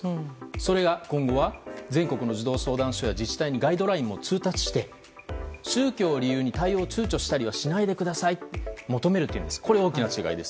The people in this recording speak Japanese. それが今後は全国の児童相談所や自治体にガイドラインを通達して宗教を理由に対応を躊躇したりはしないでくださいと求めるというんです。